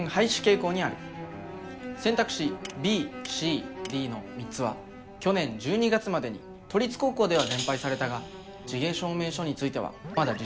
選択肢ＢＣＤの３つは去年１２月までに都立高校では全廃されたが地毛証明書についてはまだ実施している。